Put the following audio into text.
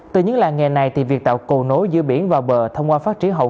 từ những làng nghề này việc tạo cầu nối giữa biển và bờ thông qua phát triển hậu